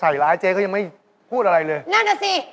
โอ้ยหน้าจออีกครั้ง